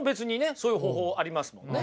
そういう方法ありますもんね。